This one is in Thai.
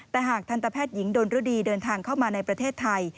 แต่หากทันตแพทย์หญิงดนรุดีเดินทางเข้ามาในประเทศไทย